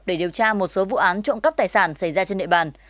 để điều tra một số vụ án trụng cấp tài sản xảy ra trên địa bàn